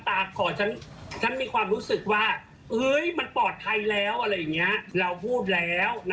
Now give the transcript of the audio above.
เพราะเราไม่รู้ว่าอะไรมันจะเกิดขึ้น